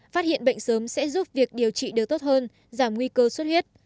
phát hiện bệnh sớm sẽ giúp việc điều trị được tốt hơn giảm nguy cơ suốt huyết